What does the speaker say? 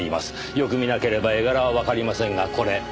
よく見なければ絵柄はわかりませんがこれ。